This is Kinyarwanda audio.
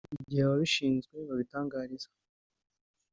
igihe ababishinzwe babitangariza